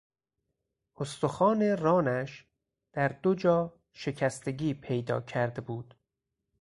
استخوان رانش در دو جا شکستگی پیدا کرده بود.